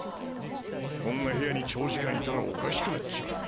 こんな部屋に長時間いたらおかしくなっちまう。